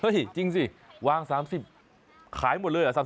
เฮ้ยจริงสิว่าง๓๐นาทีขายหมดเลยเหรอ